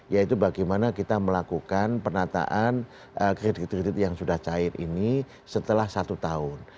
yaitu bagaimana kita melakukan penataan kredit kredit yang sudah cair ini setelah satu tahun